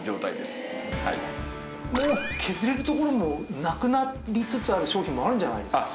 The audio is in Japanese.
もう削れるところもなくなりつつある商品もあるんじゃないですか？